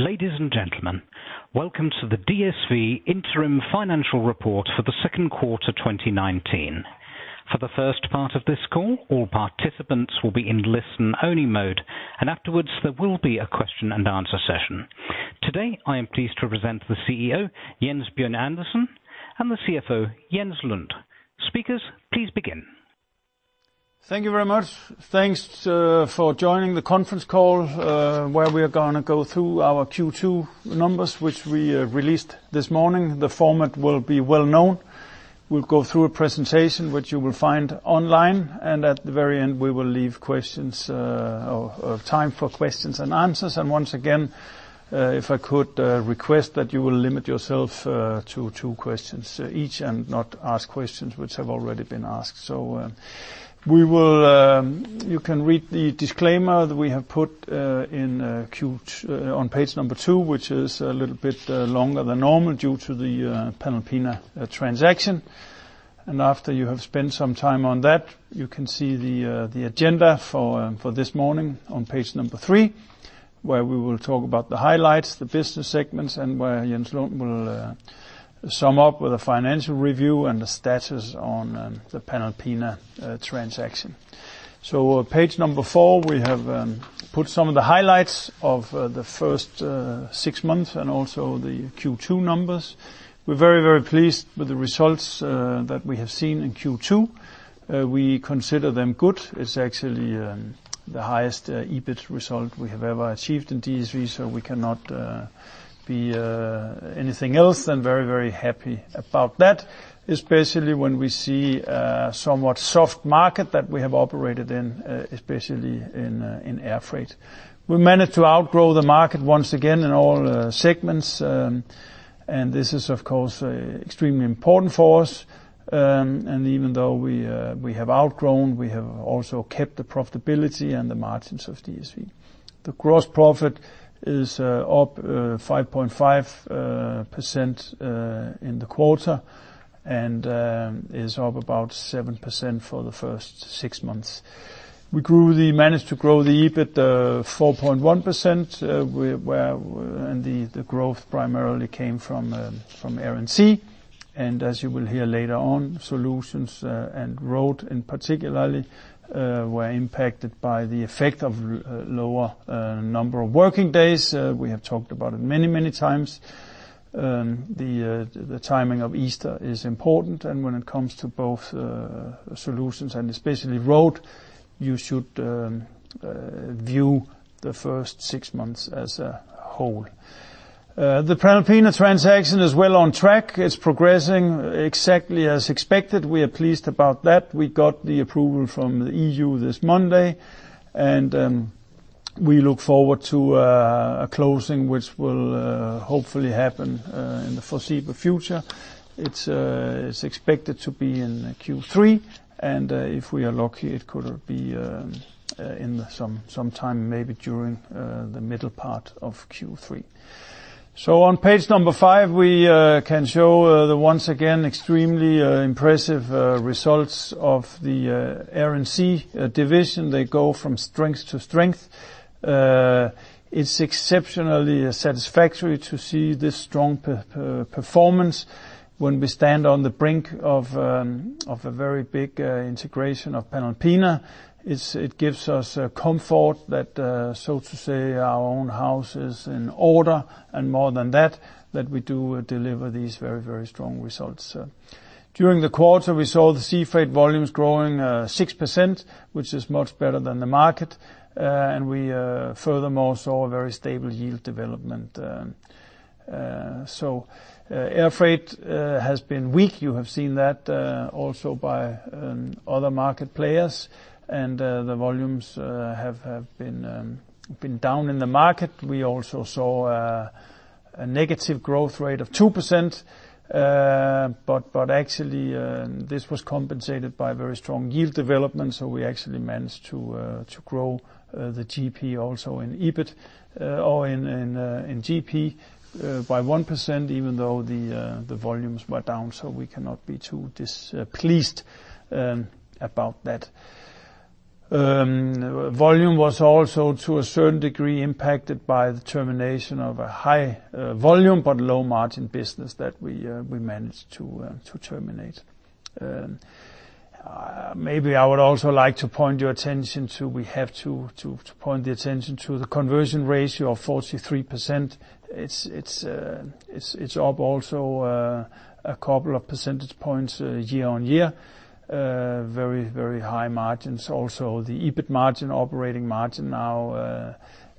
Ladies and gentlemen, welcome to the DSV interim financial report for the second quarter 2019. For the first part of this call, all participants will be in listen-only mode, and afterwards, there will be a question and answer session. Today, I am pleased to present the CEO, Jens Bjørn Andersen, and the CFO, Jens Lund. Speakers, please begin. Thank you very much. Thanks for joining the conference call, where we are going to go through our Q2 numbers, which we released this morning. The format will be well known. We will go through a presentation, which you will find online, and at the very end, we will leave time for questions and answers. Once again, if I could request that you will limit yourself to two questions each and not ask questions which have already been asked. You can read the disclaimer that we have put on page number two, which is a little bit longer than normal due to the Panalpina transaction. After you have spent some time on that, you can see the agenda for this morning on page number three, where we will talk about the highlights, the business segments, and where Jens Lund will sum up with a financial review and the status on the Panalpina transaction. Page number four, we have put some of the highlights of the first six months and also the Q2 numbers. We're very, very pleased with the results that we have seen in Q2. We consider them good. It's actually the highest EBIT result we have ever achieved in DSV, so we cannot be anything else than very, very happy about that. Especially when we see a somewhat soft market that we have operated in, especially in air freight. We managed to outgrow the market once again in all segments, and this is, of course, extremely important for us. Even though we have outgrown, we have also kept the profitability and the margins of DSV. The gross profit is up 5.5% in the quarter and is up about 7% for the first six months. We managed to grow the EBIT 4.1% and the growth primarily came from Air & Sea. As you will hear later on, Solutions and Road in particular were impacted by the effect of lower number of working days. We have talked about it many, many times. The timing of Easter is important. When it comes to both Solutions and especially Road, you should view the first six months as a whole. The Panalpina transaction is well on track. It's progressing exactly as expected. We are pleased about that. We got the approval from the EU this Monday, and we look forward to a closing which will hopefully happen in the foreseeable future. It's expected to be in Q3. If we are lucky, it could be in some time maybe during the middle part of Q3. On page number 5, we can show the once again extremely impressive results of the Air & Sea division. They go from strength to strength. It's exceptionally satisfactory to see this strong performance when we stand on the brink of a very big integration of Panalpina. It gives us comfort that so to say our own house is in order. More than that we do deliver these very, very strong results. During the quarter, we saw the sea freight volumes growing 6%, which is much better than the market. We furthermore saw a very stable yield development. Air freight has been weak. You have seen that also by other market players. The volumes have been down in the market. We also saw a negative growth rate of 2%. Actually, this was compensated by very strong yield development, so we actually managed to grow the GP also in EBIT or in GP by 1%, even though the volumes were down. We cannot be too displeased about that. Volume was also, to a certain degree, impacted by the termination of a high volume, but low margin business that we managed to terminate. We have to point the attention to the conversion ratio of 43%. It is up also a couple of percentage points year-on-year. Very high margins. Also, the EBIT margin, operating margin now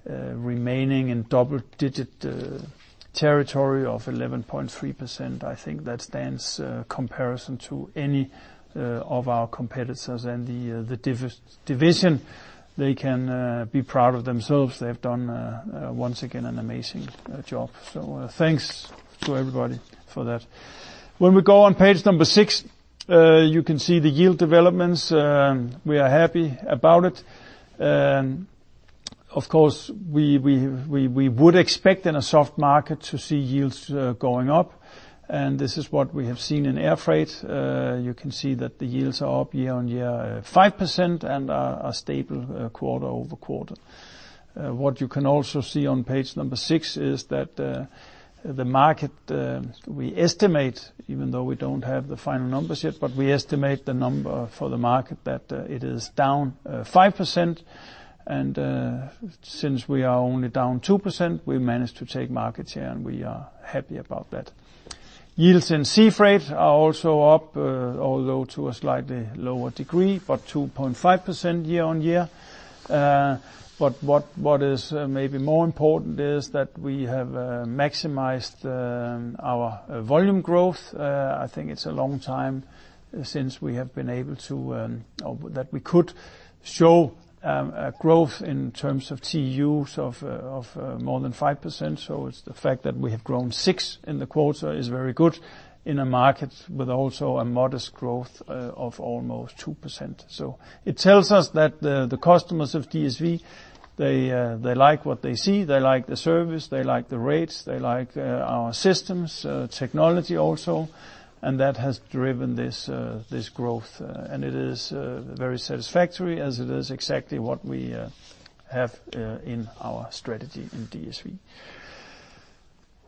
remaining in double-digit territory of 11.3%. I think that stands comparison to any of our competitors and the division, they can be proud of themselves. They have done, once again, an amazing job. Thanks to everybody for that. When we go on page six, you can see the yield developments. We are happy about it. Of course, we would expect in a soft market to see yields going up, and this is what we have seen in air freight. You can see that the yields are up year-on-year 5% and are stable quarter-over-quarter. What you can also see on page six is that the market we estimate, even though we don't have the final numbers yet, we estimate the number for the market that it is down 5%. Since we are only down 2%, we managed to take market share, and we are happy about that. Yields in sea freight are also up, although to a slightly lower degree, 2.5% year-on-year. What is maybe more important is that we have maximized our volume growth. I think it's a long time since that we could show growth in terms of TEUs of more than 5%. It's the fact that we have grown 6% in the quarter is very good in a market with also a modest growth of almost 2%. It tells us that the customers of DSV, they like what they see, they like the service, they like the rates, they like our systems, technology also. That has driven this growth, and it is very satisfactory as it is exactly what we have in our strategy in DSV.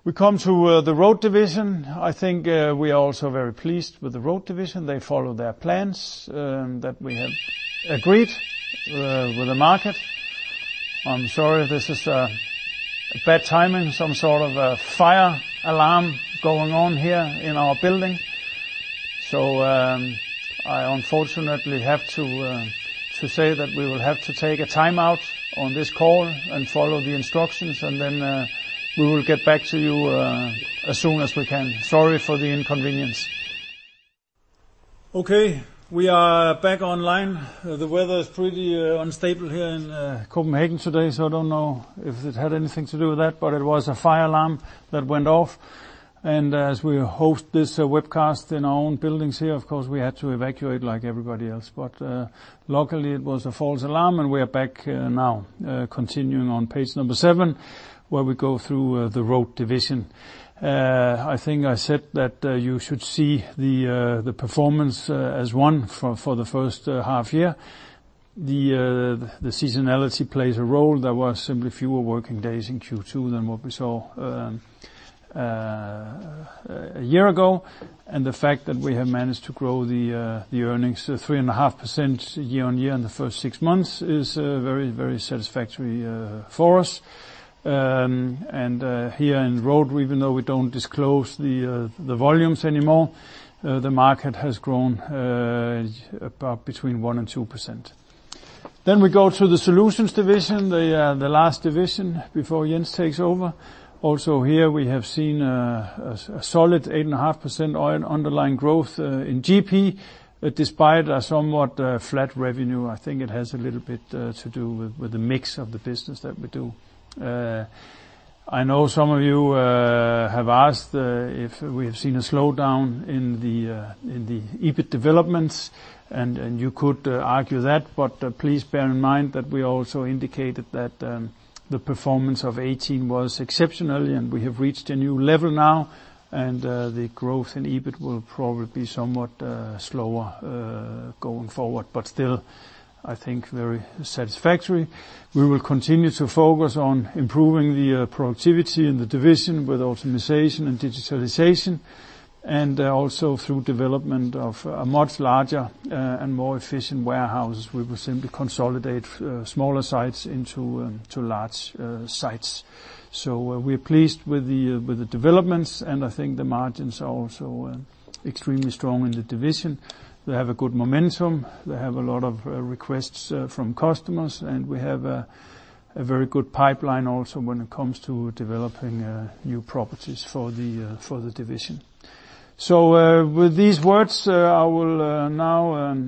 We come to the Road division. I think we are also very pleased with the Road division. They follow their plans that we have agreed with the market. I'm sorry, this is a bad timing. Some sort of a fire alarm going on here in our building. I unfortunately have to say that we will have to take a timeout on this call and follow the instructions, and then we will get back to you as soon as we can. Sorry for the inconvenience. We are back online. The weather is pretty unstable here in Copenhagen today, so I don't know if it had anything to do with that, but it was a fire alarm that went off. As we host this webcast in our own buildings here, of course, we had to evacuate like everybody else. Luckily, it was a false alarm and we are back now. Continuing on page seven, where we go through the Road division. I think I said that you should see the performance as one for the first half year. The seasonality plays a role. There were simply fewer working days in Q2 than what we saw a year ago. The fact that we have managed to grow the earnings 3.5% year-on-year in the first six months is very satisfactory for us. Here in Road, even though we don't disclose the volumes anymore, the market has grown about between 1% and 2%. We go to the Solutions division, the last division before Jens takes over. Also here we have seen a solid 8.5% underlying growth in GP despite a somewhat flat revenue. I think it has a little bit to do with the mix of the business that we do. I know some of you have asked if we have seen a slowdown in the EBIT developments, and you could argue that, but please bear in mind that we also indicated that the performance of 2018 was exceptional and we have reached a new level now and the growth in EBIT will probably be somewhat slower going forward. Still, I think very satisfactory. We will continue to focus on improving the productivity in the division with optimization and digitalization and also through development of a much larger and more efficient warehouse. We will simply consolidate smaller sites into large sites. We're pleased with the developments, and I think the margins are also extremely strong in the division. They have a good momentum. They have a lot of requests from customers, and we have a very good pipeline also when it comes to developing new properties for the division. With these words, I will now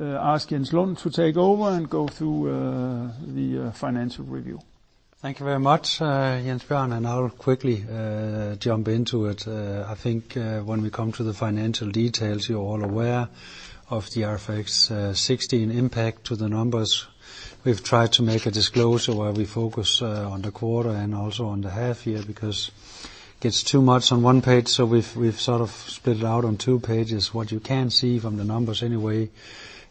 ask Jens Lund to take over and go through the financial review. Thank you very much, Jens Bjørn. I'll quickly jump into it. I think when we come to the financial details, you're all aware of the IFRS 16 impact to the numbers. We've tried to make a disclosure where we focus on the quarter and also on the half year, because it's too much on one page. We've sort of split it out on two pages. What you can see from the numbers anyway, is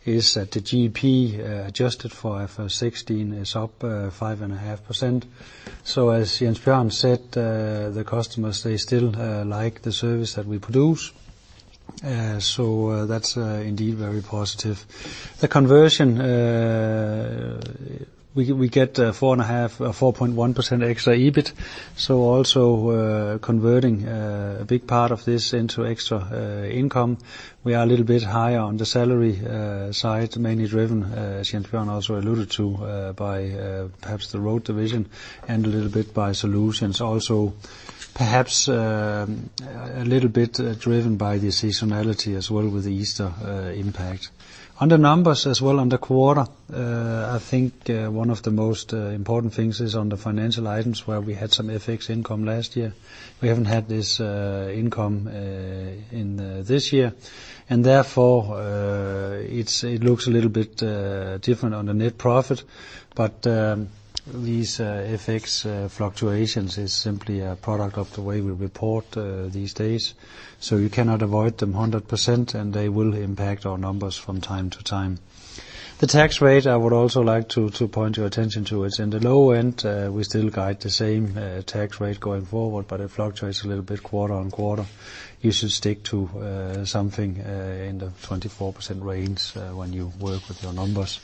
that the GP adjusted for IFRS 16 is up 5.5%. As Jens Bjørn said, the customers, they still like the service that we produce. That's indeed very positive. The conversion, we get 4.5%, 4.1% extra EBIT. Also converting a big part of this into extra income. We are a little bit higher on the salary side, mainly driven, as Jens Bjørn also alluded to, by perhaps the Road division and a little bit by Solutions also. Perhaps a little bit driven by the seasonality as well with the Easter impact. On the numbers as well on the quarter, I think one of the most important things is on the financial items where we had some FX income last year. Therefore it looks a little bit different on the net profit. These FX fluctuations is simply a product of the way we report these days, so you cannot avoid them 100% and they will impact our numbers from time to time. The tax rate, I would also like to point your attention to. It's in the low end. We still guide the same tax rate going forward. It fluctuates a little bit quarter on quarter. You should stick to something in the 24% range when you work with your numbers.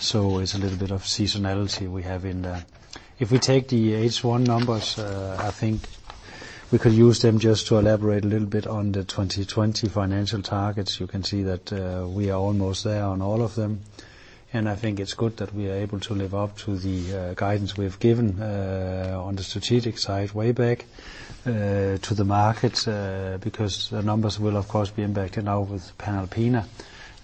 It's a little bit of seasonality we have in there. If we take the H1 numbers, I think we could use them just to elaborate a little bit on the 2020 financial targets. You can see that we are almost there on all of them, and I think it's good that we are able to live up to the guidance we have given on the strategic side, way back to the markets, because the numbers will, of course, be impacted now with Panalpina.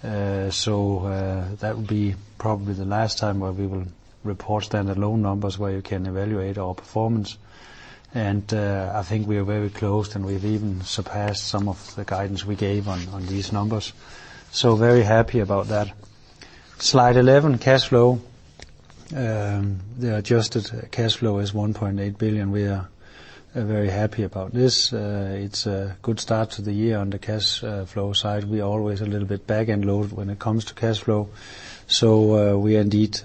That will be probably the last time where we will report standalone numbers where you can evaluate our performance. I think we are very close, and we've even surpassed some of the guidance we gave on these numbers. Very happy about that. Slide 11, cash flow. The adjusted cash flow is 1.8 billion. We are very happy about this. It's a good start to the year on the cash flow side. We are always a little bit back-end load when it comes to cash flow. We are indeed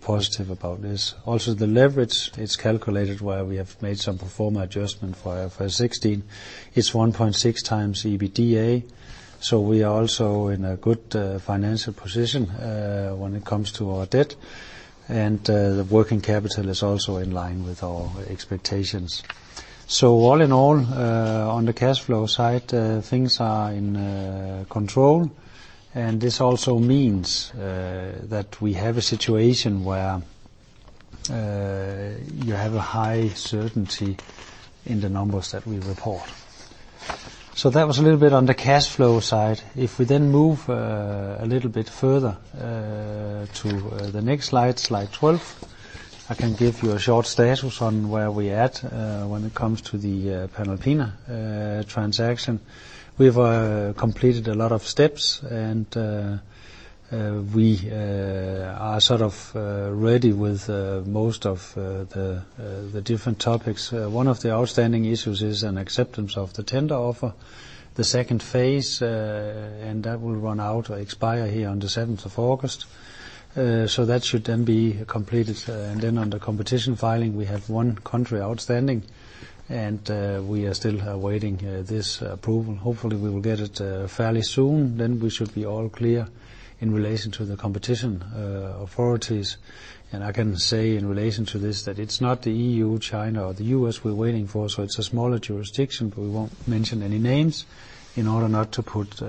positive about this. Also the leverage, it's calculated where we have made some pro forma adjustment for our IFRS 16. It's 1.6 times EBITDA, so we are also in a good financial position when it comes to our debt. The working capital is also in line with our expectations. All in all, on the cash flow side, things are in control. This also means that we have a situation where you have a high certainty in the numbers that we report. That was a little bit on the cash flow side. If we move a little bit further to the next slide 12, I can give you a short status on where we at when it comes to the Panalpina transaction. We've completed a lot of steps, and we are sort of ready with most of the different topics. One of the outstanding issues is an acceptance of the tender offer, the second phase, and that will run out or expire here on the 7th of August. That should then be completed. Under competition filing, we have one country outstanding, and we are still awaiting this approval. Hopefully, we will get it fairly soon, then we should be all clear in relation to the competition authorities. I can say in relation to this, that it's not the EU, China, or the U.S. we're waiting for, so it's a smaller jurisdiction, but we won't mention any names in order not to put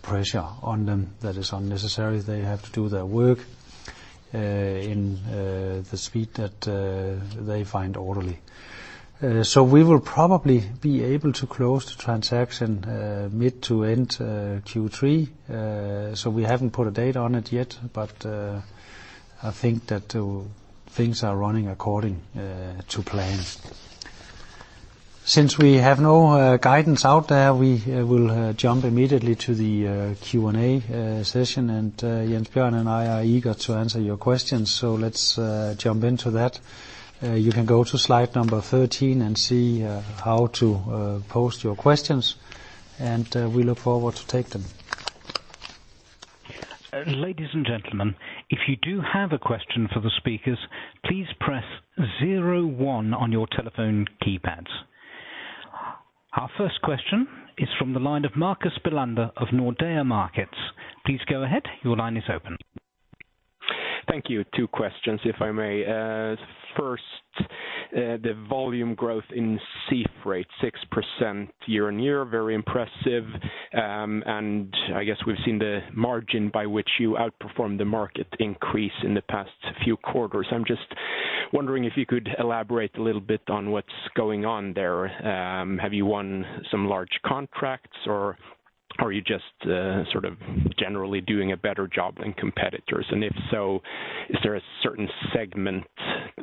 pressure on them that is unnecessary. They have to do their work in the speed that they find orderly. We will probably be able to close the transaction mid to end Q3. We haven't put a date on it yet, but I think that things are running according to plan. Since we have no guidance out there, we will jump immediately to the Q&A session, and Jens Bjørn and I are eager to answer your questions. Let's jump into that. You can go to slide number 13 and see how to post your questions, and we look forward to take them. Ladies and gentlemen, if you do have a question for the speakers, please press zero one on your telephone keypads. Our first question is from the line of Marcus Bellander of Nordea Markets. Please go ahead. Your line is open. Thank you. Two questions, if I may. First, the volume growth in sea freight, 6% year-on-year, very impressive. I guess we've seen the margin by which you outperformed the market increase in the past few quarters. I'm just wondering if you could elaborate a little bit on what's going on there. Have you won some large contracts, or are you just sort of generally doing a better job than competitors? If so, is there a certain segment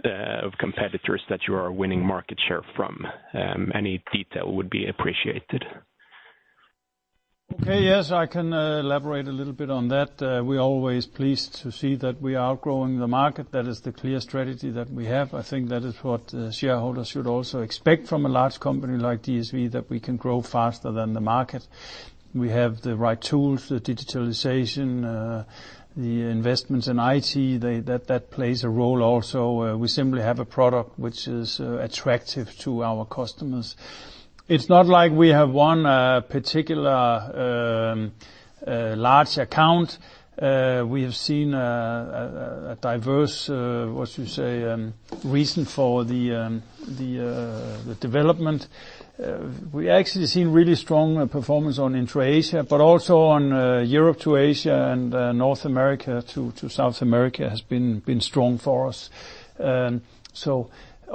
of competitors that you are winning market share from? Any detail would be appreciated. Okay. Yes, I can elaborate a little bit on that. We are always pleased to see that we are outgrowing the market. That is the clear strategy that we have. I think that is what shareholders should also expect from a large company like DSV, that we can grow faster than the market. We have the right tools, the digitalization, the investments in IT, that plays a role also. We simply have a product which is attractive to our customers. It is not like we have one particular large account. We have seen a diverse, what you say, reason for the development. We actually have seen really strong performance on intra-Asia, also on Europe to Asia and North America to South America has been strong for us.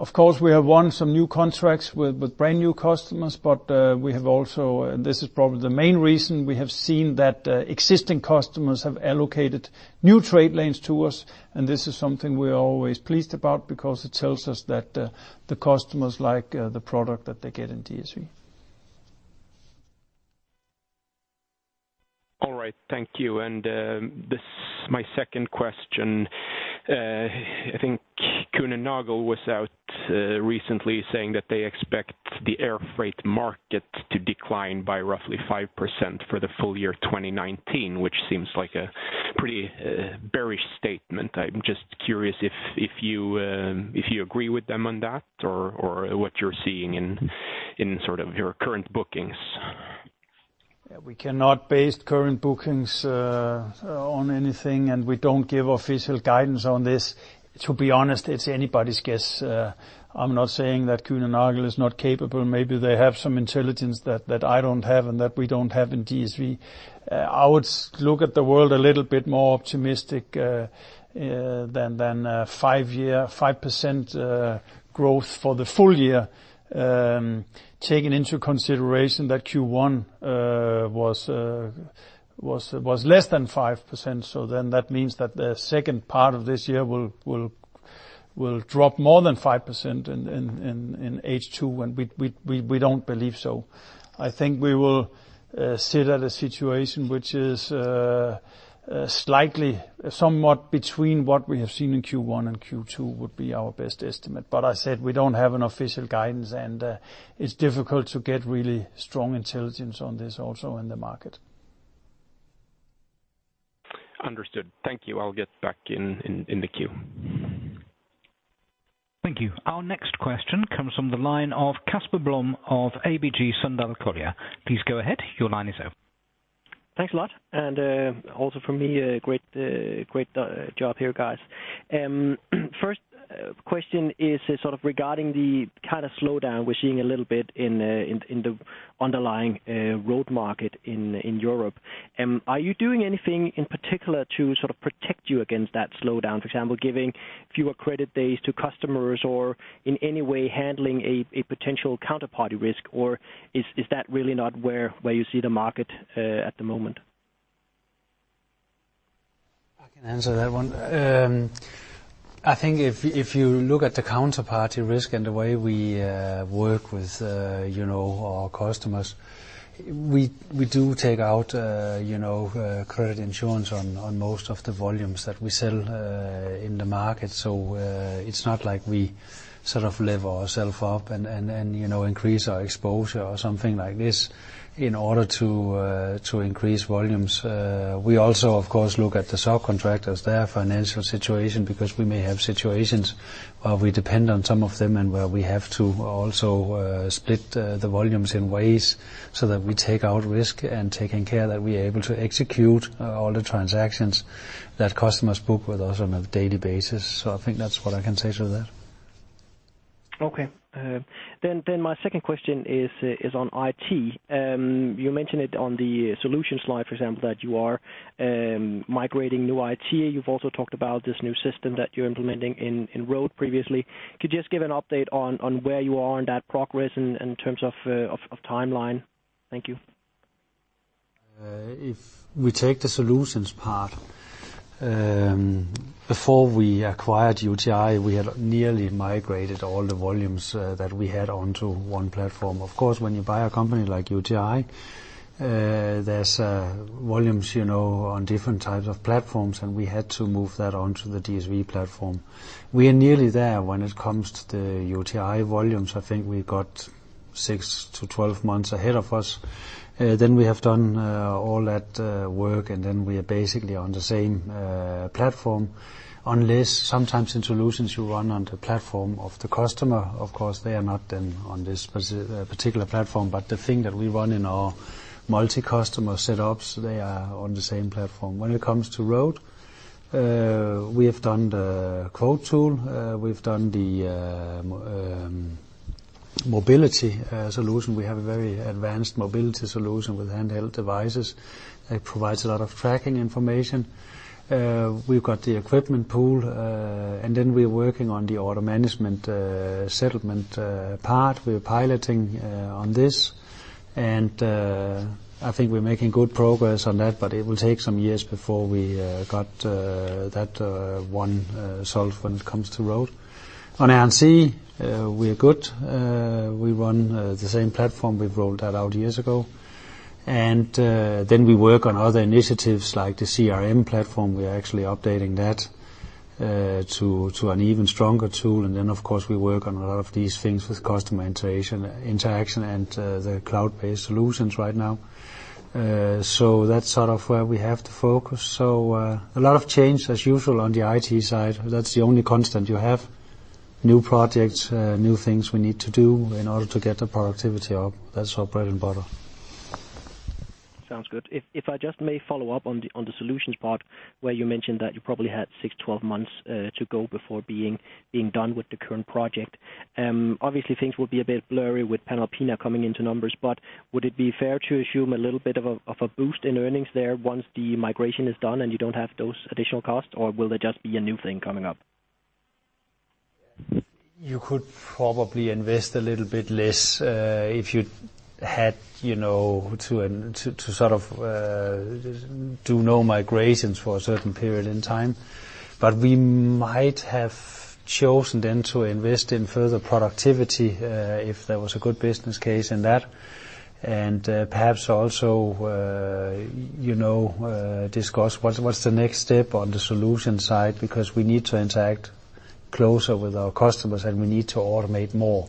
Of course, we have won some new contracts with brand new customers. We have also, and this is probably the main reason, we have seen that existing customers have allocated new trade lanes to us, and this is something we are always pleased about because it tells us that the customers like the product that they get in DSV. All right. Thank you. This is my second question. I think Kuehne+Nagel was out recently saying that they expect the air freight market to decline by roughly 5% for the full year 2019, which seems like a pretty bearish statement. I'm just curious if you agree with them on that or what you're seeing in your current bookings. We cannot base current bookings on anything, and we don't give official guidance on this. To be honest, it's anybody's guess. I'm not saying that Kuehne+Nagel is not capable. Maybe they have some intelligence that I don't have and that we don't have in DSV. I would look at the world a little bit more optimistic than 5% growth for the full year, taking into consideration that Q1 was less than 5%. That means that the second part of this year will drop more than 5% in H2, and we don't believe so. I think we will sit at a situation which is slightly, somewhat between what we have seen in Q1 and Q2, would be our best estimate. I said we don't have an official guidance, and it's difficult to get really strong intelligence on this also in the market. Understood. Thank you. I'll get back in the queue. Thank you. Our next question comes from the line of Casper Blom of ABG Sundal Collier. Please go ahead. Your line is open. Thanks a lot. Also from me, great job here, guys. First question is regarding the kind of slowdown we're seeing a little bit in the underlying Road market in Europe. Are you doing anything in particular to protect you against that slowdown? For example, giving fewer credit days to customers or in any way handling a potential counterparty risk, or is that really not where you see the market at the moment? I can answer that one. I think if you look at the counterparty risk and the way we work with our customers, we do take out credit insurance on most of the volumes that we sell in the market. It's not like we lever ourselves up and increase our exposure or something like this in order to increase volumes. We also, of course, look at the subcontractors, their financial situation, because we may have situations where we depend on some of them and where we have to also split the volumes in ways so that we take out risk and taking care that we are able to execute all the transactions that customers book with us on a daily basis. I think that's what I can say to that. Okay. My second question is on IT. You mentioned it on the Solutions slide, for example, that you are migrating new IT. You've also talked about this new system that you're implementing in Road previously. Could you just give an update on where you are in that progress in terms of timeline? Thank you. If we take the Solutions part, before we acquired UTi, we had nearly migrated all the volumes that we had onto one platform. When you buy a company like UTi, there's volumes on different types of platforms, and we had to move that onto the DSV platform. We are nearly there when it comes to the UTi volumes. I think we got six to 12 months ahead of us. We have done all that work, and we are basically on the same platform. Unless sometimes in Solutions, you run on the platform of the customer. They are not then on this particular platform, but the thing that we run in our multi-customer setups, they are on the same platform. When it comes to Road, we have done the quote tool, we've done the mobility solution. We have a very advanced mobility solution with handheld devices. It provides a lot of tracking information. We've got the equipment pool, and then we are working on the order management settlement part. We are piloting on this, and I think we're making good progress on that, but it will take some years before we got that one solved when it comes to Road. On Air & Sea, we are good. We run the same platform. We've rolled that out years ago. We work on other initiatives like the CRM platform. We are actually updating that to an even stronger tool. Of course, we work on a lot of these things with customer interaction and the cloud-based solutions right now. That's sort of where we have to focus. A lot of change as usual on the IT side. That's the only constant. You have new projects, new things we need to do in order to get the productivity up. That's our bread and butter. Sounds good. If I just may follow up on the Solutions part where you mentioned that you probably had 6 to 12 months to go before being done with the current project. Obviously, things will be a bit blurry with Panalpina coming into numbers, but would it be fair to assume a little bit of a boost in earnings there once the migration is done and you don't have those additional costs, or will there just be a new thing coming up? You could probably invest a little bit less, if you had to sort of do no migrations for a certain period in time. We might have chosen then to invest in further productivity, if there was a good business case in that. Perhaps also discuss what's the next step on the solution side, because we need to interact closer with our customers, and we need to automate more.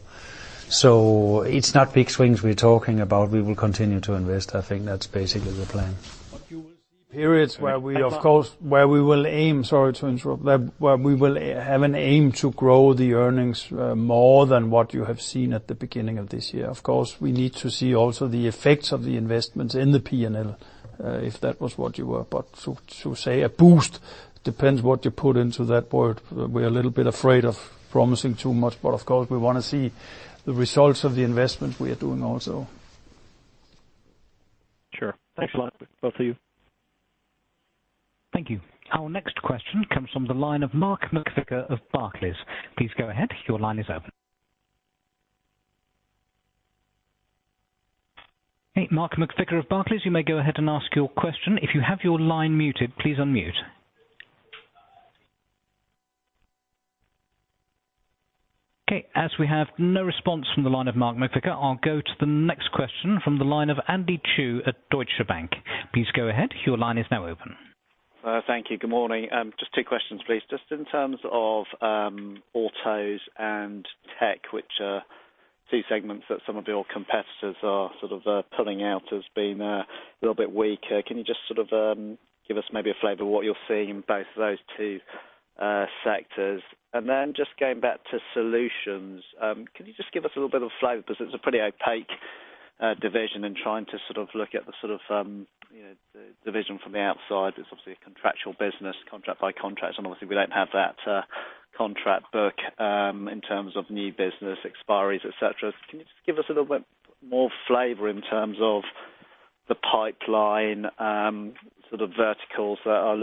It's not big swings we're talking about. We will continue to invest. I think that's basically the plan. Periods where we will have an aim to grow the earnings more than what you have seen at the beginning of this year. Of course, we need to see also the effects of the investments in the P&L, if that was what you were. To say a boost, depends what you put into that word. We're a little bit afraid of promising too much, of course, we want to see the results of the investment we are doing also. Sure. Thanks a lot, both of you. Thank you. Our next question comes from the line of Mark McVicar of Barclays. Please go ahead, your line is open. Mark McVicar of Barclays, you may go ahead and ask your question. If you have your line muted, please unmute. Okay, as we have no response from the line of Mark McVicar, I'll go to the next question from the line of Andy Chu at Deutsche Bank. Please go ahead. Your line is now open. Thank you. Good morning. Just two questions, please. Just in terms of autos and tech, which are two segments that some of your competitors are pulling out as being a little bit weaker. Can you just give us maybe a flavor of what you're seeing in both those two sectors? Then just going back to Solutions, can you just give us a little bit of flavor? Because it's a pretty opaque division in trying to look at the division from the outside. It's obviously a contractual business, contract by contract, and obviously we don't have that contract book in terms of new business expiries, et cetera. Can you just give us a little bit more flavor in terms of the pipeline, sort of verticals that are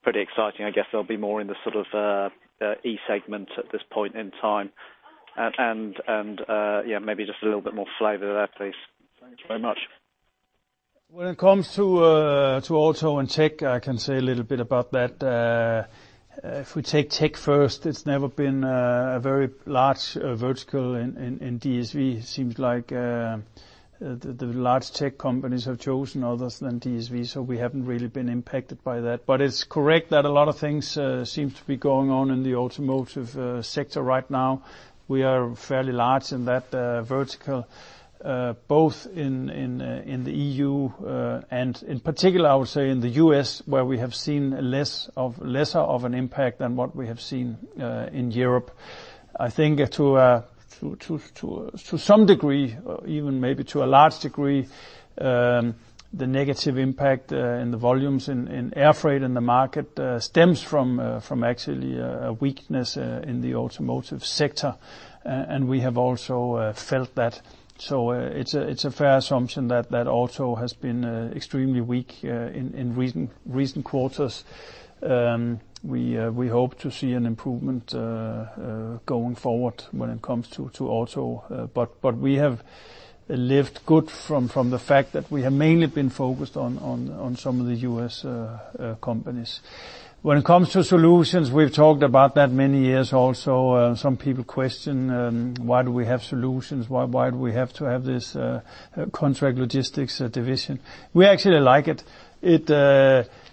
looking pretty exciting? I guess they'll be more in the e-segment at this point in time. Yeah, maybe just a little bit more flavor there, please. Thank you very much. When it comes to auto and tech, I can say a little bit about that. If we take tech first, it's never been a very large vertical in DSV. Seems like the large tech companies have chosen others than DSV, we haven't really been impacted by that. It's correct that a lot of things seem to be going on in the automotive sector right now. We are fairly large in that vertical, both in the EU, and in particular, I would say in the U.S., where we have seen lesser of an impact than what we have seen in Europe. I think to some degree, even maybe to a large degree, the negative impact in the volumes in air freight in the market stems from actually a weakness in the automotive sector. We have also felt that. It's a fair assumption that auto has been extremely weak in recent quarters. We hope to see an improvement going forward when it comes to auto. We have lived good from the fact that we have mainly been focused on some of the U.S. companies. When it comes to Solutions, we've talked about that many years also. Some people question, why do we have Solutions? Why do we have to have this contract logistics division? We actually like it.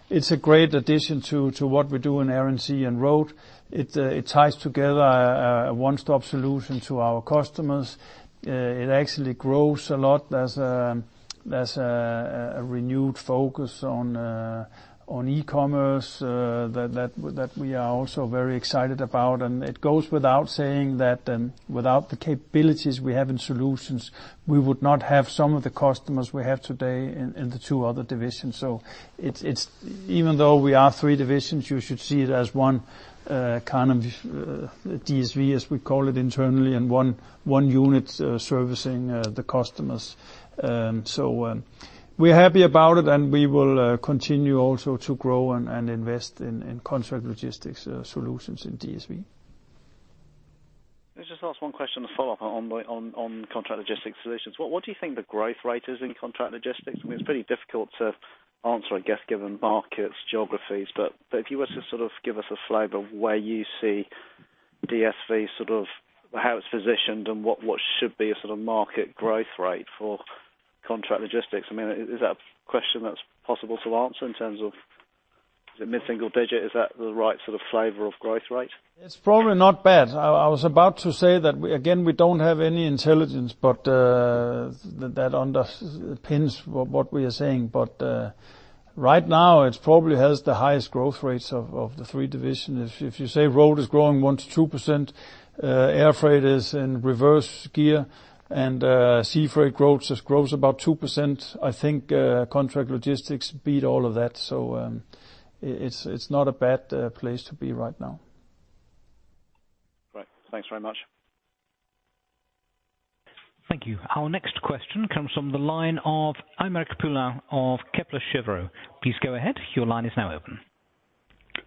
It's a great addition to what we do in Air & Sea and Road. It ties together a one-stop solution to our customers. It actually grows a lot. There's a renewed focus on e-commerce that we are also very excited about. It goes without saying that without the capabilities we have in Solutions, we would not have some of the customers we have today in the two other divisions. Even though we are three divisions, you should see it as one kind of DSV, as we call it internally, and one unit servicing the customers. We're happy about it, and we will continue also to grow and invest in contract logistics Solutions in DSV. Let me just ask one question to follow up on contract logistics Solutions. What do you think the growth rate is in contract logistics? I mean, it's pretty difficult to answer, I guess, given markets, geographies, but if you were to just give us a flavor of where you see DSV, how it's positioned and what should be a sort of market growth rate for contract logistics. I mean, is that a question that's possible to answer in terms of, is it mid-single digit? Is that the right sort of flavor of growth rate? It's probably not bad. I was about to say that, again, we don't have any intelligence, but that underpins what we are saying. Right now, it probably has the highest growth rates of the three divisions. If you say Road is growing 1% to 2%, air freight is in reverse gear and sea freight grows about 2%, I think contract logistics beat all of that. It's not a bad place to be right now. Great. Thanks very much. Thank you. Our next question comes from the line of Aymeric Poulain of Kepler Cheuvreux. Please go ahead. Your line is now open.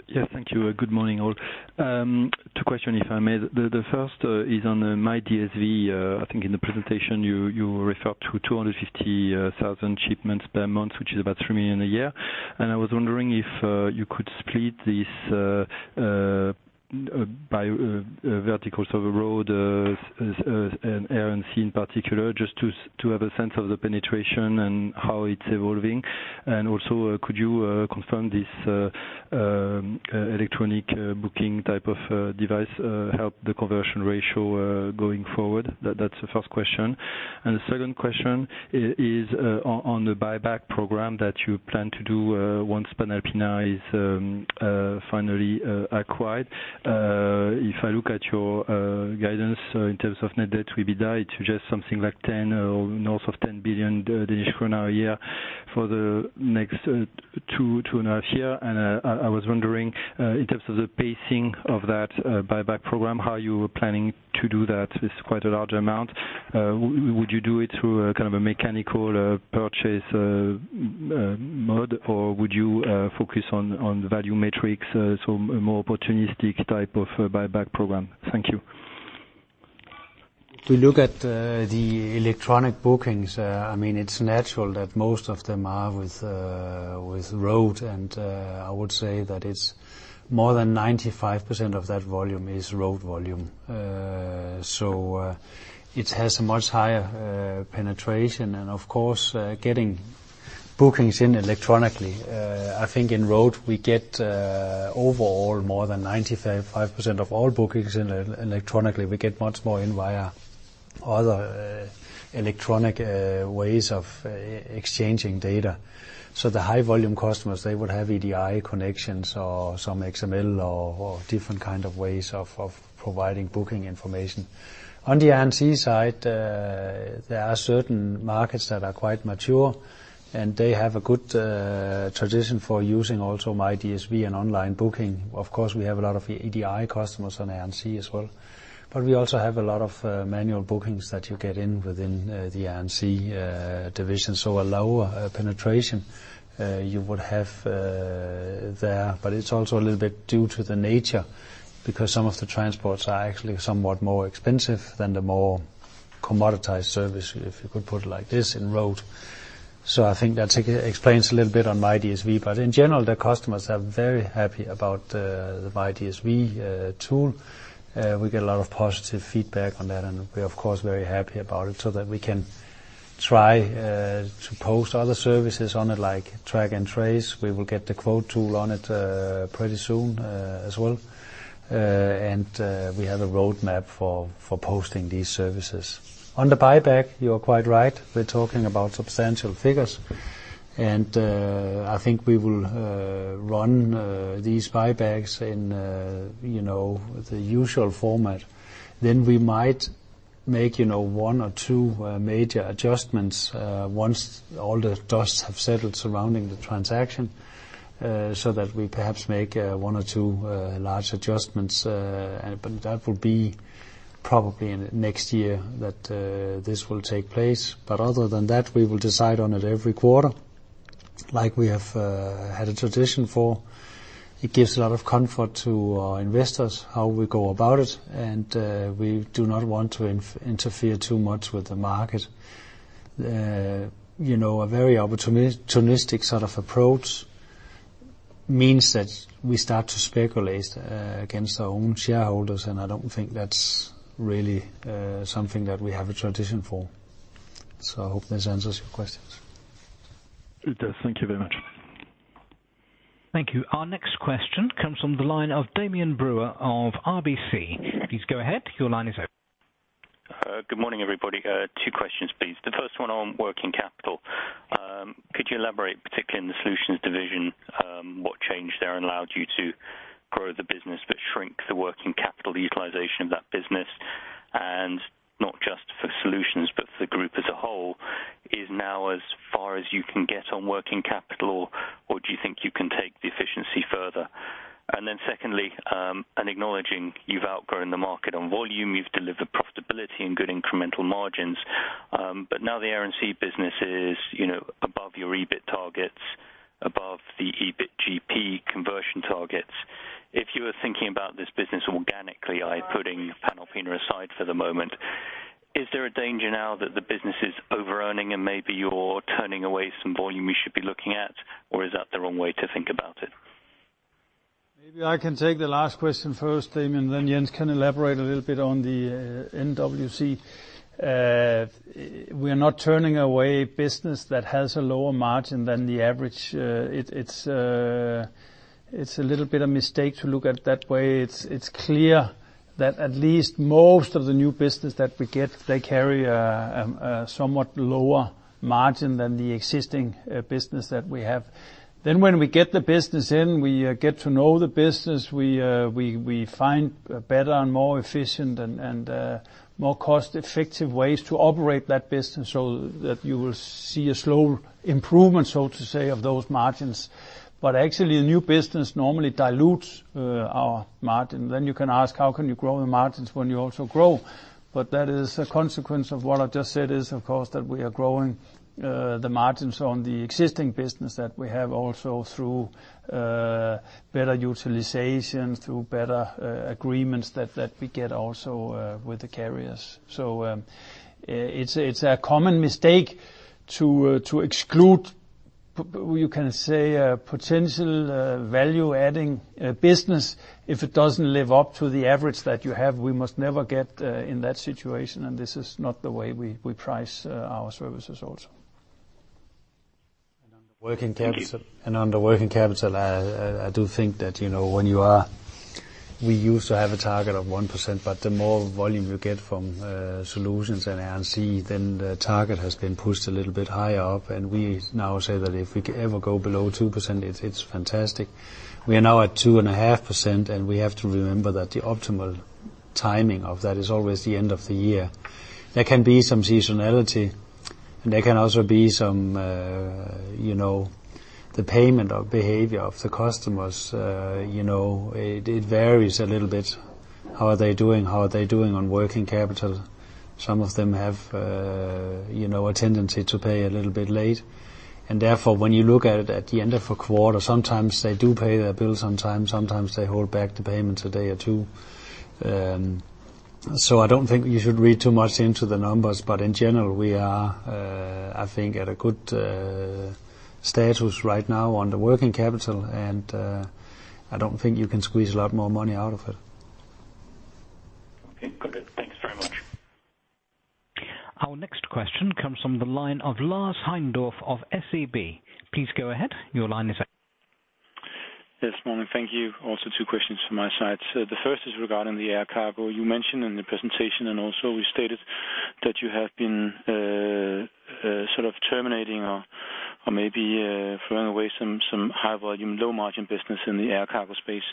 Yes. Thank you. Good morning, all. Two question, if I may. The first is on myDSV. I think in the presentation you referred to 250,000 shipments per month, which is about 3 million a year. I was wondering if you could split this by verticals, so the Road, Air & Sea in particular, just to have a sense of the penetration and how it's evolving. Also, could you confirm this electronic booking type of device help the conversion ratio going forward? That's the first question. The second question is on the buyback program that you plan to do once Panalpina is finally acquired. If I look at your guidance in terms of net debt, EBITDA, it's just something like 10 billion or north of 10 billion Danish krone a year for the next 2 and a half year. I was wondering, in terms of the pacing of that buyback program, how you were planning to do that. It's quite a large amount. Would you do it through a mechanical purchase mode, or would you focus on value metrics, so a more opportunistic type of buyback program? Thank you. To look at the electronic bookings, it's natural that most of them are with Road, and I would say that it's more than 95% of that volume is Road volume. It has a much higher penetration. Of course, getting bookings in electronically, I think in Road, we get overall more than 95% of all bookings in electronically. We get much more in via other electronic ways of exchanging data. The high volume customers, they would have EDI connections or some XML or different kind of ways of providing booking information. On the Air & Sea side, there are certain markets that are quite mature, and they have a good tradition for using also myDSV and online booking. Of course, we have a lot of EDI customers on Air & Sea as well, but we also have a lot of manual bookings that you get in within the Air & Sea division. A lower penetration you would have there. It's also a little bit due to the nature, because some of the transports are actually somewhat more expensive than the more commoditized service, if you could put it like this, in Road. I think that explains a little bit on myDSV. In general, the customers are very happy about the myDSV tool. We get a lot of positive feedback on that, and we're of course, very happy about it, so that we can try to post other services on it, like track and trace. We will get the quote tool on it pretty soon as well. We have a roadmap for posting these services. On the buyback, you're quite right. We're talking about substantial figures. I think we will run these buybacks in the usual format. We might make one or two major adjustments, once all the dust has settled surrounding the transaction, so that we perhaps make one or two large adjustments. That will be probably in next year that this will take place. Other than that, we will decide on it every quarter, like we have had a tradition for. It gives a lot of comfort to our investors how we go about it, and we do not want to interfere too much with the market. A very opportunistic sort of approach means that we start to speculate against our own shareholders, and I don't think that's really something that we have a tradition for. I hope this answers your questions. It does. Thank you very much. Thank you. Our next question comes from the line of Damian Brewer of RBC. Please go ahead. Your line is open. Good morning, everybody. Two questions, please. The first one on working capital. Could you elaborate, particularly in the Solutions division, what changed there and allowed you to grow the business but shrink the working capital utilization of that business? Not just for Solutions, but for the group as a whole, is now as far as you can get on working capital, or do you think you can take the efficiency further? Then secondly, and acknowledging you've outgrown the market on volume, you've delivered profitability and good incremental margins. Now the Air & Sea business is above your EBIT targets, above the EBIT GP conversion targets. If you are thinking about this business organically, putting Panalpina aside for the moment, is there a danger now that the business is over-earning and maybe you're turning away some volume you should be looking at? Is that the wrong way to think about it? Maybe I can take the last question first, Damian, then Jens can elaborate a little bit on the NWC. We are not turning away business that has a lower margin than the average. It's a little bit of mistake to look at it that way. It's clear that at least most of the new business that we get, they carry a somewhat lower margin than the existing business that we have. When we get the business in, we get to know the business, we find better and more efficient and more cost-effective ways to operate that business, so that you will see a slow improvement, so to say, of those margins. Actually, new business normally dilutes our margin. You can ask, how can you grow the margins when you also grow? That is a consequence of what I've just said is, of course, that we are growing the margins on the existing business that we have also through better utilization, through better agreements that we get also with the carriers. It's a common mistake to exclude, you can say potential value-adding business, if it doesn't live up to the average that you have, we must never get in that situation, and this is not the way we price our services also. Thank you. On the working capital, I do think that we used to have a target of 1%. The more volume you get from Solutions and Air & Sea, then the target has been pushed a little bit higher up. We now say that if we ever go below 2%, it's fantastic. We are now at 2.5%. We have to remember that the optimal timing of that is always the end of the year. There can be some seasonality. There can also be the payment or behavior of the customers. It varies a little bit. How are they doing? How are they doing on working capital? Some of them have a tendency to pay a little bit late. Therefore, when you look at it at the end of a quarter, sometimes they do pay their bills on time, sometimes they hold back the payments a day or two. I don't think you should read too much into the numbers, but in general, we are, I think, at a good status right now on the working capital, and I don't think you can squeeze a lot more money out of it. Okay, got it. Thank you very much. Our next question comes from the line of Lars Heindorff of SEB. Please go ahead. Your line is open. Yes, morning. Thank you. Also two questions from my side. The first is regarding the air cargo. You mentioned in the presentation, and also you stated that you have been terminating or maybe throwing away some high volume, low margin business in the air cargo space.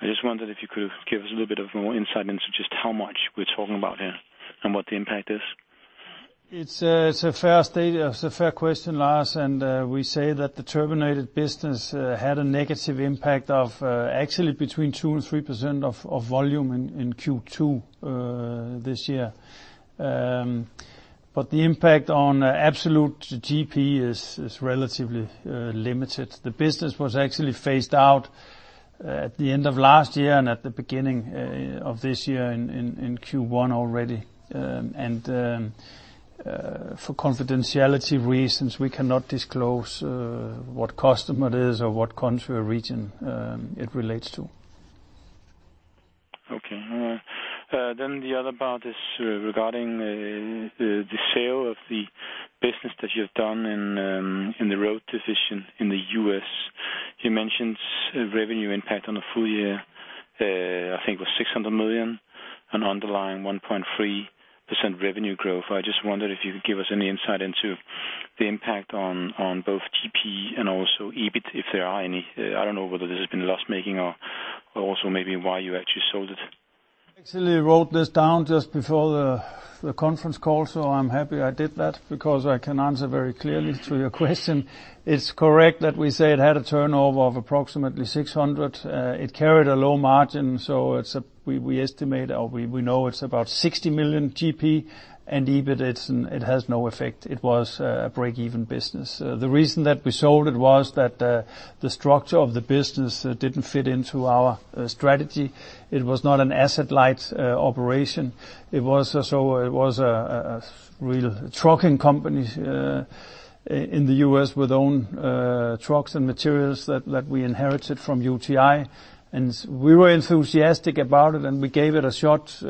I just wondered if you could give us a little bit of more insight into just how much we're talking about here and what the impact is. It's a fair question, Lars. We say that the terminated business had a negative impact of actually between 2% and 3% of volume in Q2 this year. The impact on absolute GP is relatively limited. The business was actually phased out at the end of last year and at the beginning of this year in Q1 already. For confidentiality reasons, we cannot disclose what customer it is or what country or region it relates to. Okay. The other part is regarding the sale of the business that you've done in the Road division in the U.S. You mentioned revenue impact on the full year, I think it was 600 million and underlying 1.3% revenue growth. I just wondered if you could give us any insight into the impact on both GP and also EBIT, if there are any. I don't know whether this has been loss-making or also maybe why you actually sold it. actually wrote this down just before the conference call, so I am happy I did that because I can answer very clearly to your question. It is correct that we say it had a turnover of approximately 600. It carried a low margin, so we estimate, or we know it is about 60 million GP and EBIT, it has no effect. It was a break-even business. The reason that we sold it was that the structure of the business did not fit into our strategy. It was not an asset-light operation. It was a real trucking company in the U.S. with own trucks and materials that we inherited from UTi. We were enthusiastic about it, and we gave it a shot.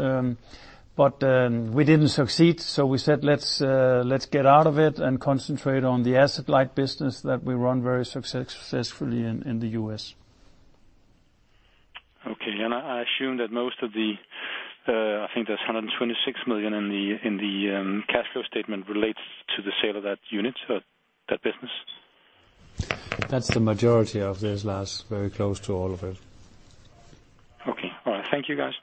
We did not succeed, so we said, "Let us get out of it and concentrate on the asset-light business that we run very successfully in the U.S. Okay. I assume that most of the, I think that's 126 million in the cash flow statement relates to the sale of that unit, that business. That's the majority of this, Lars, very close to all of it. Okay. All right. Thank you, guys.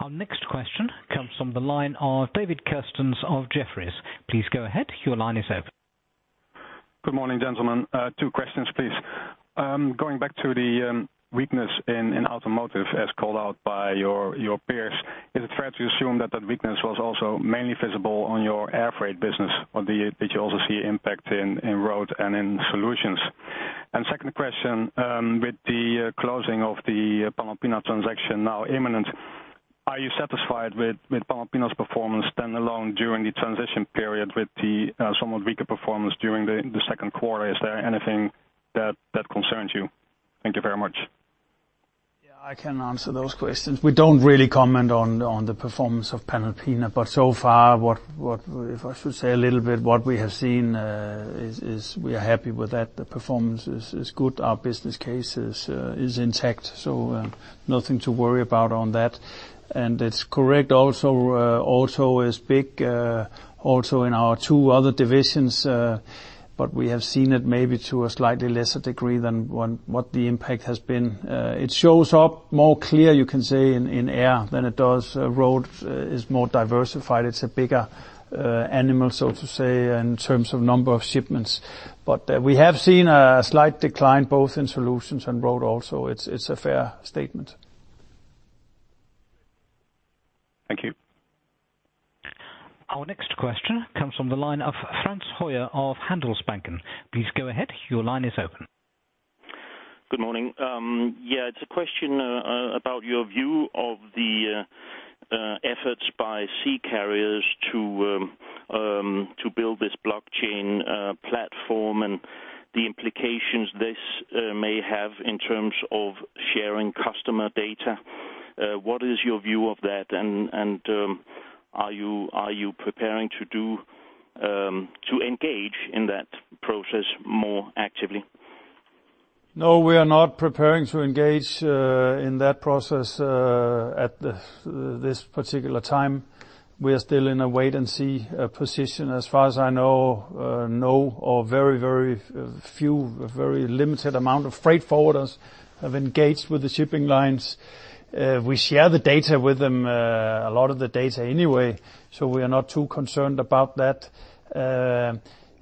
Our next question comes from the line of David Kerstens of Jefferies. Please go ahead. Your line is open. Good morning, gentlemen. Two questions, please. Going back to the weakness in automotive as called out by your peers, is it fair to assume that that weakness was also mainly visible on your Air & Sea business? Or did you also see impact in Road and in Solutions? Second question, with the closing of the Panalpina transaction now imminent, are you satisfied with Panalpina's performance standalone during the transition period with the somewhat weaker performance during the second quarter? Is there anything that concerns you? Thank you very much. I can answer those questions. We don't really comment on the performance of Panalpina, so far, if I should say a little bit, what we have seen is we are happy with that. The performance is good. Our business case is intact, nothing to worry about on that. It's correct also as big also in our two other divisions, we have seen it maybe to a slightly lesser degree than what the impact has been. It shows up more clear, you can say, in Air than it does Road. It's more diversified. It's a bigger animal, so to say, in terms of number of shipments. We have seen a slight decline both in Solutions and Road also. It's a fair statement. Thank you. Our next question comes from the line of Frans Hoyer of Handelsbanken. Please go ahead. Your line is open. Good morning. Yeah, it's a question about your view of the efforts by sea carriers to build this blockchain platform and the implications this may have in terms of sharing customer data. What is your view of that? Are you preparing to engage in that process more actively? No, we are not preparing to engage in that process at this particular time. We are still in a wait and see position. As far as I know, no, or very few, very limited amount of freight forwarders have engaged with the shipping lines. We share the data with them, a lot of the data anyway, so we are not too concerned about that.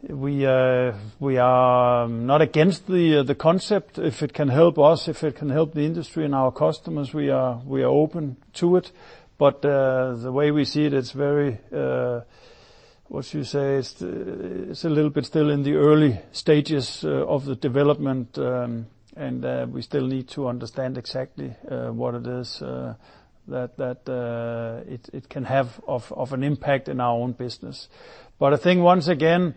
We are not against the concept. If it can help us, if it can help the industry and our customers, we are open to it. The way we see it's very, what you say? It's a little bit still in the early stages of the development, and we still need to understand exactly what it is that it can have of an impact in our own business. I think once again,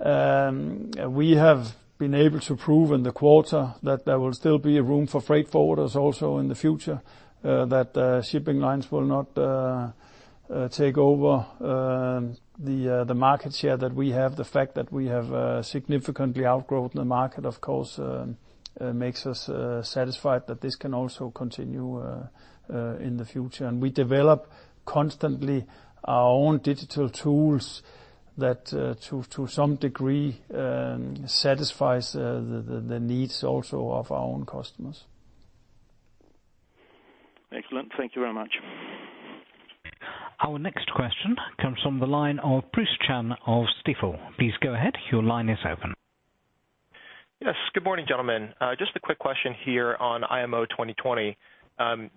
we have been able to prove in the quarter that there will still be room for freight forwarders also in the future. Shipping lines will not take over the market share that we have. The fact that we have significantly outgrown the market, of course, makes us satisfied that this can also continue in the future. We develop constantly our own digital tools that to some degree, satisfies the needs also of our own customers. Excellent. Thank you very much. Our next question comes from the line of Bruce Chan of Stifel. Please go ahead. Your line is open. Yes. Good morning, gentlemen. Just a quick question here on IMO 2020.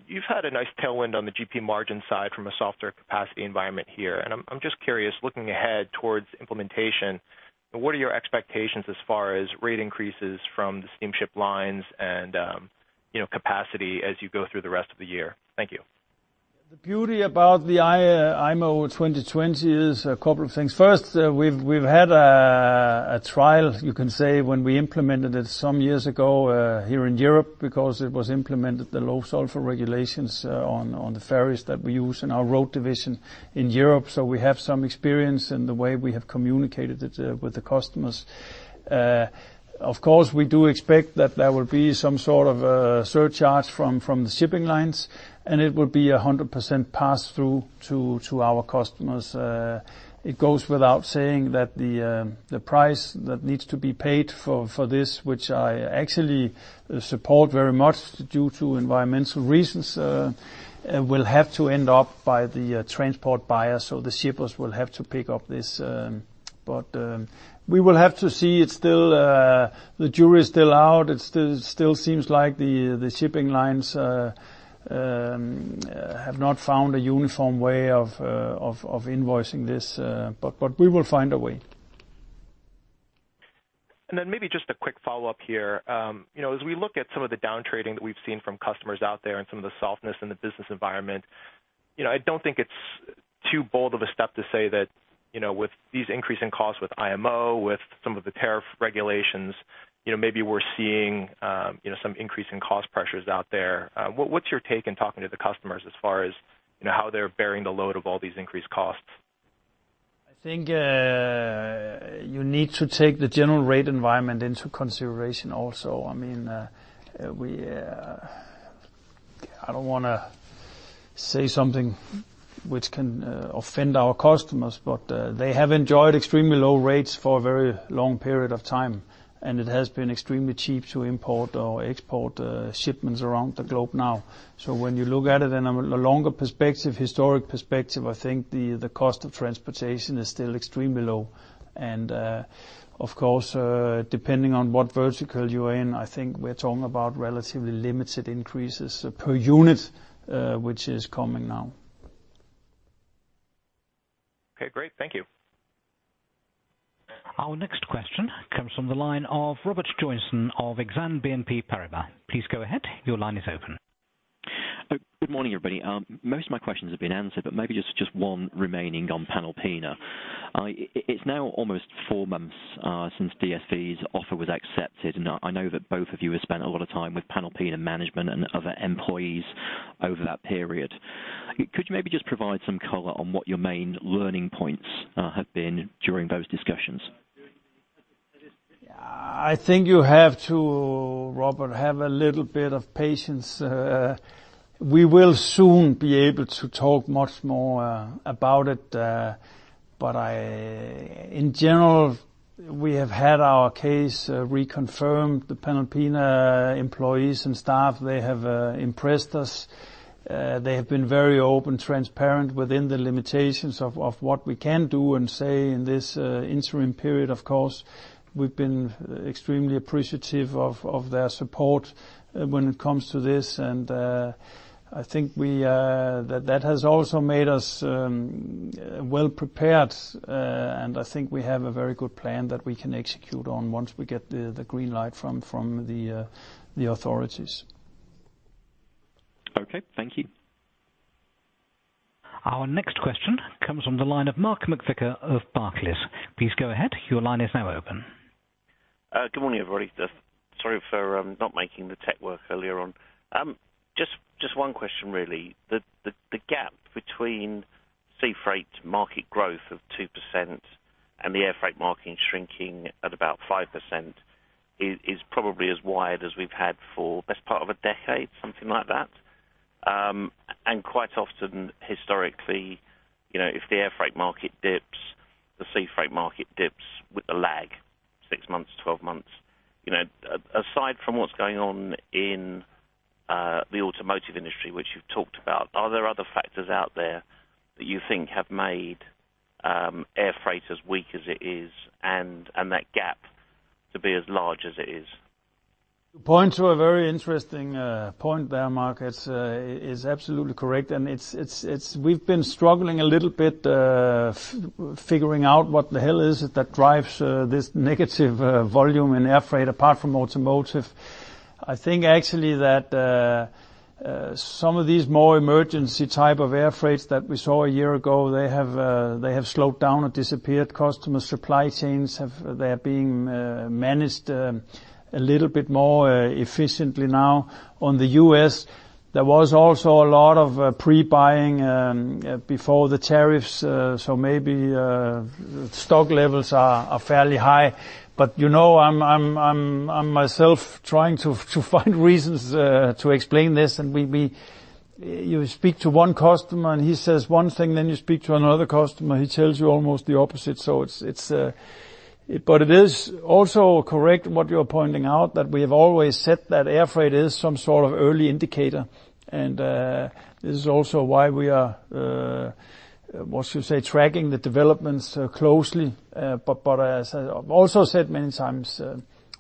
You've had a nice tailwind on the GP margin side from a softer capacity environment here. I'm just curious, looking ahead towards implementation, what are your expectations as far as rate increases from the steamship lines and capacity as you go through the rest of the year? Thank you. The beauty about the IMO 2020 is a couple of things. First, we've had a trial, you can say, when we implemented it some years ago here in Europe because it was implemented, the low sulfur regulations on the ferries that we use in our Road division in Europe. Of course, we do expect that there will be some sort of a surcharge from the shipping lines, and it will be 100% passed through to our customers. It goes without saying that the price that needs to be paid for this, which I actually support very much due to environmental reasons, will have to end up by the transport buyer. The shippers will have to pick up this. We will have to see. The jury is still out. It still seems like the shipping lines have not found a uniform way of invoicing this. We will find a way. Maybe just a quick follow-up here. As we look at some of the downtrading that we've seen from customers out there and some of the softness in the business environment, I don't think it's too bold of a step to say that, with these increasing costs, with IMO, with some of the tariff regulations, maybe we're seeing some increase in cost pressures out there. What's your take in talking to the customers as far as how they're bearing the load of all these increased costs? I think you need to take the general rate environment into consideration also. I don't want to say something which can offend our customers, but they have enjoyed extremely low rates for a very long period of time, and it has been extremely cheap to import or export shipments around the globe now. When you look at it in a longer perspective, historic perspective, I think the cost of transportation is still extremely low. Of course, depending on what vertical you are in, I think we're talking about relatively limited increases per unit, which is coming now. Okay, great. Thank you. Our next question comes from the line of Robert Joynson of Exane BNP Paribas. Please go ahead. Your line is open. Good morning, everybody. Most of my questions have been answered, maybe just one remaining on Panalpina. It's now almost four months since DSV's offer was accepted, I know that both of you have spent a lot of time with Panalpina management and other employees over that period. Could you maybe just provide some color on what your main learning points have been during those discussions? I think you have to, Robert, have a little bit of patience. We will soon be able to talk much more about it. In general, we have had our case reconfirmed. The Panalpina employees and staff, they have impressed us. They have been very open, transparent within the limitations of what we can do and say in this interim period. Of course, we've been extremely appreciative of their support when it comes to this, and I think that has also made us well-prepared. I think we have a very good plan that we can execute on once we get the green light from the authorities. Okay, thank you. Our next question comes from the line of Mark McVicar of Barclays. Please go ahead. Your line is now open. Good morning, everybody. Sorry for not making the tech work earlier on. Just one question, really. The gap between sea freight market growth of 2% and the air freight market shrinking at about 5% is probably as wide as we've had for the best part of a decade, something like that. Quite often, historically, if the air freight market dips, the sea freight market dips with a lag, six months, 12 months. Aside from what's going on in the automotive industry, which you've talked about, are there other factors out there that you think have made air freight as weak as it is, and that gap to be as large as it is? You point to a very interesting point there, Mark. It's absolutely correct. We've been struggling a little bit, figuring out what the hell is it that drives this negative volume in air freight apart from automotive. I think actually that some of these more emergency type of air freights that we saw a year ago, they have slowed down or disappeared. Customer supply chains, they are being managed a little bit more efficiently now. On the U.S., there was also a lot of pre-buying before the tariffs, stock levels are fairly high. I'm myself trying to find reasons to explain this, you speak to one customer and he says one thing, you speak to another customer, he tells you almost the opposite. It is also correct what you're pointing out, that we have always said that air freight is some sort of early indicator. This is also why we are, what you say, tracking the developments closely. As I've also said many times,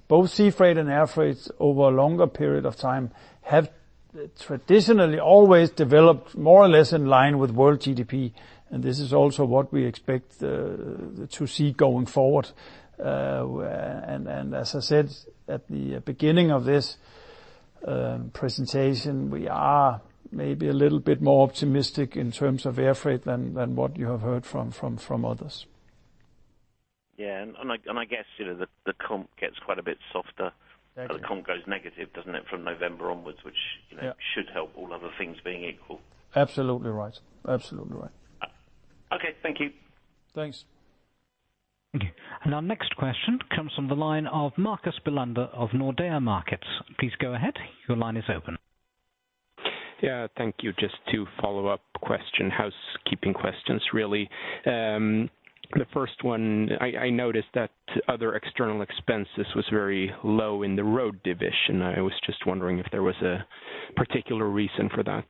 both sea freight and air freight over a longer period of time have traditionally always developed more or less in line with world GDP. This is also what we expect to see going forward. As I said at the beginning of this presentation, we are maybe a little bit more optimistic in terms of air freight than what you have heard from others. Yeah. I guess, the comp gets quite a bit softer. Thank you. The comp goes negative, doesn't it, from November onwards. Yeah should help all other things being equal. Absolutely right. Okay. Thank you. Thanks. Thank you. Our next question comes from the line of Marcus Bellander of Nordea Markets. Please go ahead. Your line is open. Yeah, thank you. Just two follow-up question, housekeeping questions, really. The first one, I noticed that other external expenses was very low in the Road division. I was just wondering if there was a particular reason for that.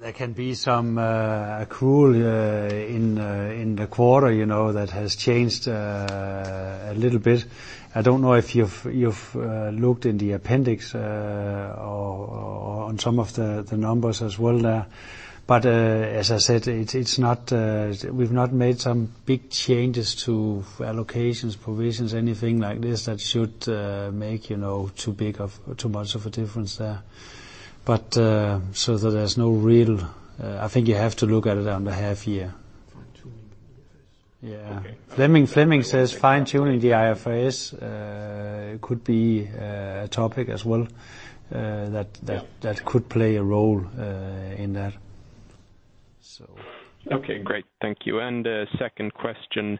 No, there can be some accrual in the quarter, that has changed a little bit. I don't know if you've looked in the appendix or on some of the numbers as well there. As I said, we've not made some big changes to allocations, provisions, anything like this that should make too much of a difference there. There's no real I think you have to look at it on the half year. Fine-tuning the IFRS. Yeah. Okay. Flemming says fine-tuning the IFRS could be a topic as well. Yeah. That could play a role in that. Okay, great. Thank you. Second question,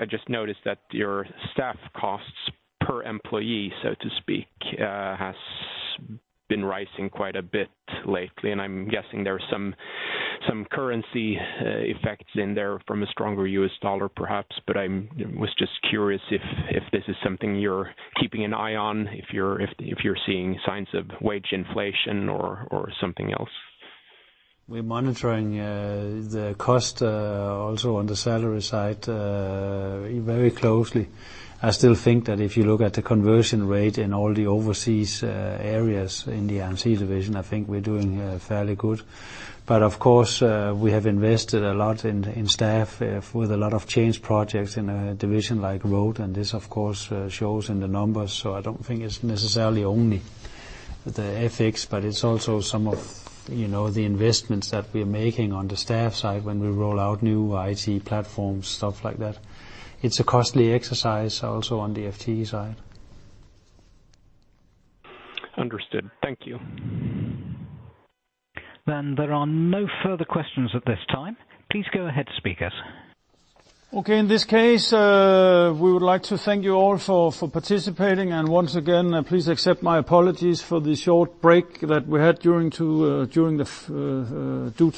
I just noticed that your staff costs per employee, so to speak, has been rising quite a bit lately. I'm guessing there's some currency effects in there from a stronger US dollar, perhaps. I was just curious if this is something you're keeping an eye on, if you're seeing signs of wage inflation or something else. We're monitoring the cost also on the salary side very closely. I still think that if you look at the conversion ratio in all the overseas areas in the MC division, I think we're doing fairly good. Of course, we have invested a lot in staff with a lot of change projects in a division like Road, and this, of course, shows in the numbers. I don't think it's necessarily only the FTEs, but it's also some of the investments that we're making on the staff side when we roll out new IT platforms, stuff like that. It's a costly exercise also on the FT side. Understood. Thank you. There are no further questions at this time. Please go ahead, speakers. Okay, in this case, we would like to thank you all for participating. And once again, please accept my apologies for the short break that we had due to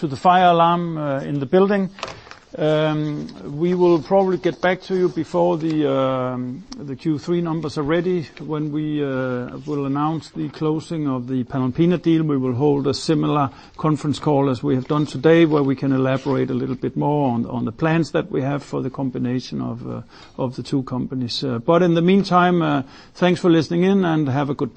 the fire alarm in the building. We will probably get back to you before the Q3 numbers are ready. When we will announce the closing of the Panalpina deal, we will hold a similar conference call as we have done today, where we can elaborate a little bit more on the plans that we have for the combination of the two companies. In the meantime, thanks for listening in and have a good day.